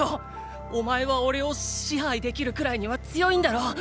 お前はおれをシハイできるくらいには強いんだろ